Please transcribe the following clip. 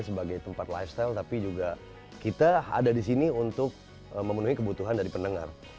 sebagai tempat lifestyle tapi juga kita ada di sini untuk memenuhi kebutuhan dari pendengar